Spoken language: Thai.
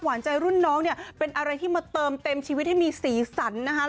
หวานใจรุ่นน้องเนี่ยเป็นอะไรที่มาเติมเต็มชีวิตให้มีสีสันนะคะ